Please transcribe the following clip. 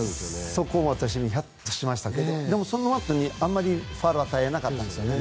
そこは私ヒヤッとしましたが、その後にあまりファウルを与えなかったんですね。